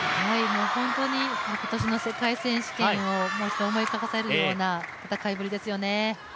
本当に今年の世界選手権をもう一度思い浮かばせるような戦いぶりですよね。